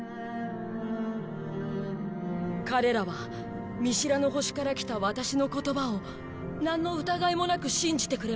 彼らは見知らぬ星から来たワタシの言葉をなんの疑いもなく信じてくれました。